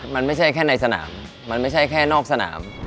มันไม่ใช่แค่ในสนามมันไม่ใช่แค่นอกสนาม